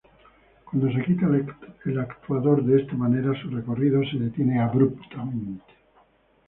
Cuando se quita el actuador de esta manera, su recorrido se detiene abruptamente.